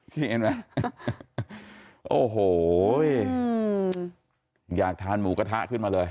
นี่เห็นไหมโอ้โหอยากทานหมูกระทะขึ้นมาเลย